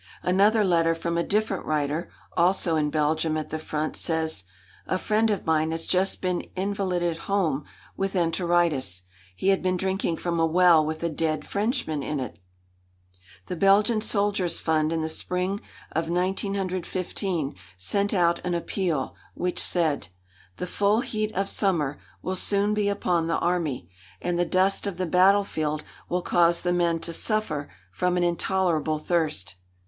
Another letter from a different writer, also in Belgium at the front, says: "A friend of mine has just been invalided home with enteritis. He had been drinking from a well with a dead Frenchman in it!" The Belgian Soldiers' Fund in the spring of 1915 sent out an appeal, which said: "The full heat of summer will soon be upon the army, and the dust of the battlefield will cause the men to suffer from an intolerable thirst."